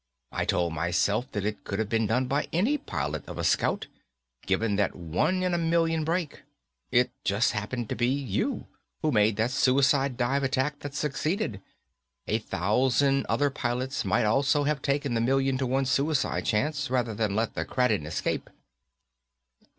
I told myself that it could have been done by any pilot of a Scout, given that one in a million break. It just happened to be you, who made that suicide dive attack that succeeded. A thousand other pilots might also have taken the million to one suicide chance rather than let the Kraden escape."